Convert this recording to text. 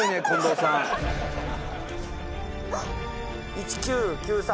１９９３